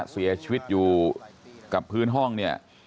เสียชีวิตอยู่กับพื้นห้องเนี่ย